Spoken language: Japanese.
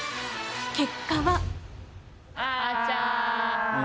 結果は。